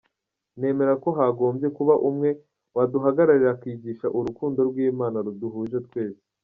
Nemera ko hagombye kuba umwe waduhagararira akigisha urukundo rw’Imana ruduhuje twese”.